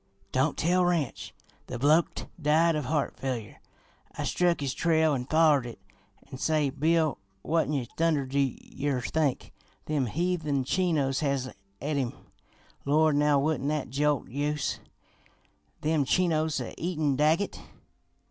Don't tell Ranch; the bloke'd die of heart failure. I struck his trail an' follered it an' say, Bill, what'n thunder do yer think? Them heathen Chinos has et him!' Lord, now, wouldn't that jolt youse? Them Chinos a eatin' Daggett!